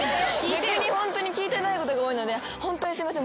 ホントに聞いてないことが多いのでホントにすいません